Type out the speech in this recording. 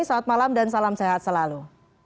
selamat malam dan salam sehat selalu